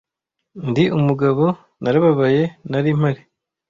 Ndi umugabo, narababaye , nari mpari.